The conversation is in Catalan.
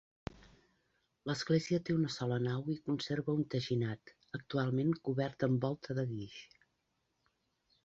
L'església té una sola nau i conserva un teginat, actualment cobert amb volta de guix.